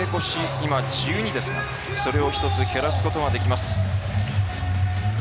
今、１２ですがそれを１つ減らすことができます。